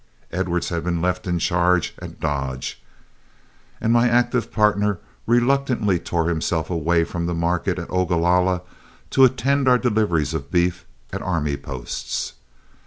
Edwards had been left in charge at Dodge, and my active partner reluctantly tore himself away from the market at Ogalalla to attend our deliveries of beef at army posts.